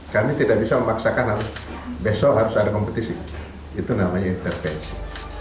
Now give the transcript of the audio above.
kami tidak bisa memaksakan besok harus ada kompetisi itu namanya intervensi